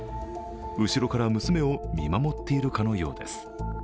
後ろから娘を見守っているかのようです。